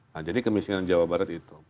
nah jadi kemiskinan jawa barat itu